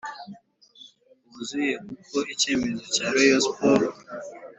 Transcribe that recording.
wuzuye kuko icyemezo cya rayon sports